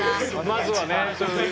まずはね。